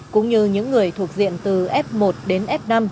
cũng như những người thuộc diện từ f một đến f năm